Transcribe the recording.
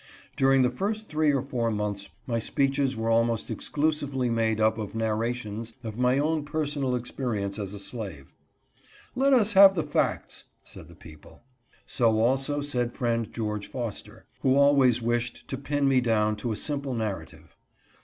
During the first three or four months my speeches were almost exclusively made up of narrations of my own personal experience as a slave. " Let us have the facts," said the people. So also said Friend George Foster, who always wished to pin me down to a simple narrative.